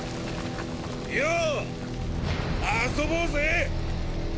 よう遊ぼうぜ！